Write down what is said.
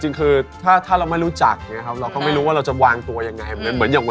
เฮ้ยพร่มจัดเป็นยังไงหรือเปล่า